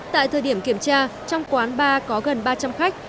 tại thời điểm kiểm tra trong quán bar có gần ba trăm linh khách